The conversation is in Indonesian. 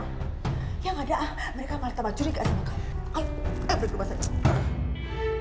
aku ambil ke rumah sakit